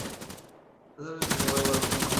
এছাড়া রয়েছে ধলই-বাড়বকুণ্ড সড়ক।